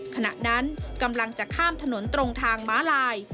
ขณะนั้นกำลังจะข้ามถนนตรงทางม้าลาย